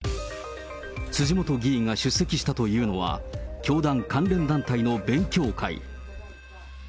辻元議員が出席したというのは、教団関連団体の勉強会。